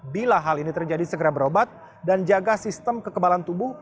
bila hal ini terjadi segera berobat dan jaga sistem kekebalan tubuh